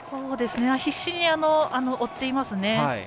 必死に追っていますね。